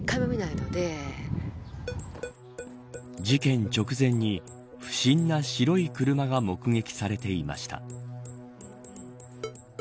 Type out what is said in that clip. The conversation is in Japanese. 事件直前に不審な白い車が目撃されていました。